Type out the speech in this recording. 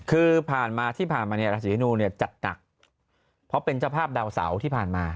คือผ่านมาที่ผ่านมาเนี่ยราศีธนูเนี่ยจัดหนักเพราะเป็นเจ้าภาพดาวเสาร์ที่ผ่านมา